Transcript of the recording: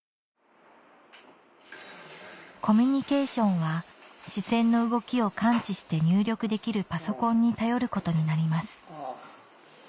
コミュニケーションは視線の動きを感知して入力できるパソコンに頼ることになります